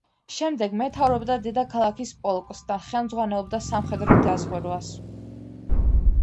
შემდეგ მეთაურობდა დედაქალაქის პოლკს და ხელმძღვანელობდა სამხედრო დაზვერვას.